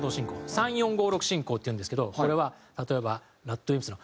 ３４５６進行っていうんですけどこれは例えばＲＡＤＷＩＭＰＳの。